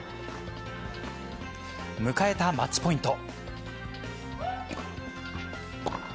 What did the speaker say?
迎えたマッチポイント。